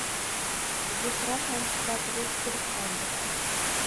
Zuhra hamsuhbatiga tikilib qoldi